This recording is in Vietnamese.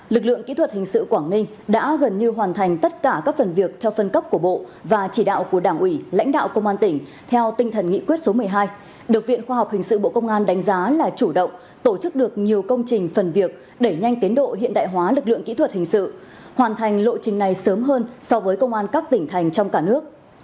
lực lượng kỹ thuật hình sự quảng ninh đã gần như hoàn thành tất cả các phần việc theo phân cấp của bộ và chỉ đạo của đảng ủy lãnh đạo công an tỉnh theo tinh thần nghị quyết số một mươi hai được viện khoa học hình sự bộ công an đánh giá là chủ động tổ chức được nhiều công trình phần việc để nhanh tiến độ hiện đại hóa lực lượng kỹ thuật hình sự hoàn thành lộ trình này sớm hơn so với công an các tỉnh thành trong cả nước